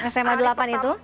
sma delapan itu